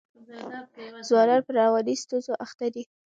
ځوانان په رواني ستونزو اخته دي.